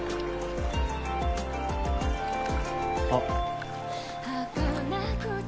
あっ。